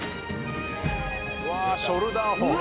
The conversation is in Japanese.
「うわあ！ショルダーホン」